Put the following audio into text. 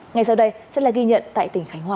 ngay sau đây sẽ là ghi nhận tại tỉnh khánh hòa